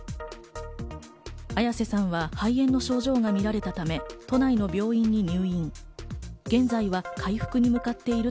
綾瀬さんは肺炎の症状がみられたため都内の病院に入院。